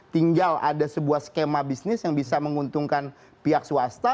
tinggal ada sebuah skema bisnis yang bisa menguntungkan pihak swasta